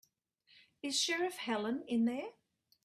Is Sheriff Helen in there?